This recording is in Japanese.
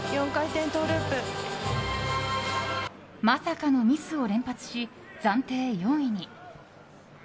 まさかのミスを連発し暫定４位に。